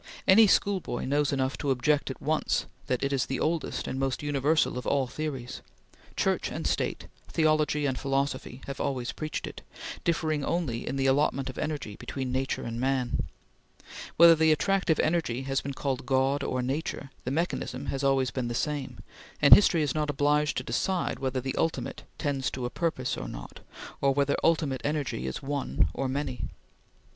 Any schoolboy knows enough to object at once that it is the oldest and most universal of all theories. Church and State, theology and philosophy, have always preached it, differing only in the allotment of energy between nature and man. Whether the attractive energy has been called God or Nature, the mechanism has been always the same, and history is not obliged to decide whether the Ultimate tends to a purpose or not, or whether ultimate energy is one or many.